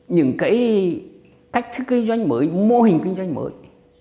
những cái cách thức kinh doanh mới mô hình kinh doanh mới